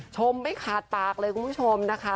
ไม่ขาดปากเลยคุณผู้ชมนะคะ